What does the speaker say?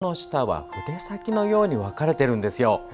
メジロの舌は筆先のように分かれているんです。